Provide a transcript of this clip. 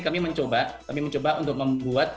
kami mencoba untuk membuat